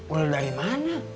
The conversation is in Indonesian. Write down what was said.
ular dari mana